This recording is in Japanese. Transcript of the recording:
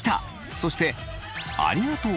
そしてありがとう！